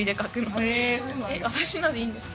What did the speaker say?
私のでいいんですか？